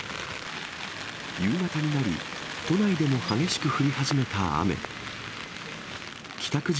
夕方になり、都内でも激しく降り始めた雨。